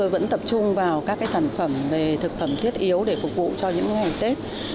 vẫn tập trung vào các sản phẩm về thực phẩm thiết yếu để phục vụ cho những ngày tết